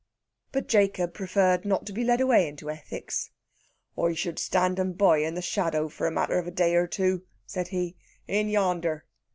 But Jacob preferred not to be led away into ethics. "I should stand 'em by, in the shadow, for the matter of a day or two," said he. "In yander."